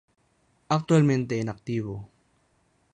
Actualmente inactivo.